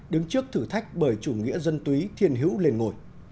đứng trước thử thách bởi chủ nghĩa dân túy thiên hữu lên ngôi